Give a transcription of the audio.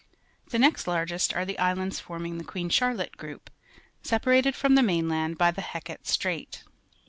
The next largest are the islands forming the Queen Charlotte group, separated froin the mjuhland by Hec ate Strait.